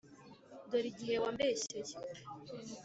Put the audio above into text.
, dore igihe wambeshyeye !”